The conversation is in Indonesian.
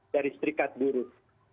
dari serikat buruh